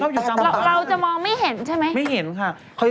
เราจะมองไม่เห็นใช่ไหม